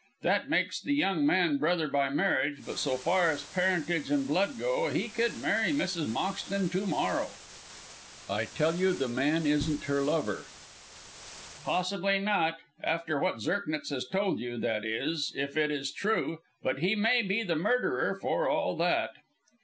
That makes the young man brother by marriage, but so far as parentage and blood go, he could marry Mrs. Moxton to morrow." "I tell you the man isn't her lover." "Possibly not, after what Zirknitz has told you that is, if it is true. But he may be the murderer for all that."